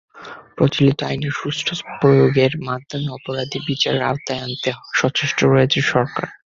প্রচলিত আইনের সুষ্ঠু প্রয়োগের মাধ্যমে অপরাধীদের বিচারের আওতায় আনতে সচেষ্ট রয়েছে সরকার।